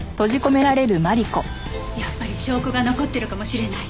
やっぱり証拠が残ってるかもしれない。